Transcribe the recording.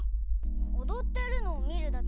おどってるのをみるだけ？